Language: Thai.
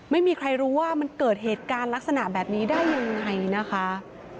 ไม่มีใครรู้ว่ามันเกิดเหตุการณ์ลักษณะแบบนี้ได้ยังไงนะคะ